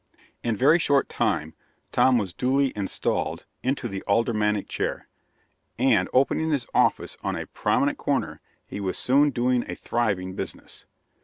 In a very short time, Tom was duly installed into the Aldermanic chair, and, opening his office on a prominent corner, he was soon doing a thriving business.